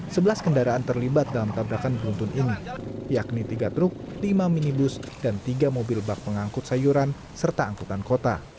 sebelas kendaraan terlibat dalam tabrakan beruntun ini yakni tiga truk lima minibus dan tiga mobil bak pengangkut sayuran serta angkutan kota